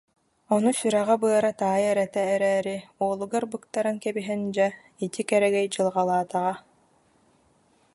Ону сүрэҕэ-быара таайар этэ эрээри, уолугар быктаран кэбиһэн дьэ, ити, кэрэгэй дьылҕалаатаҕа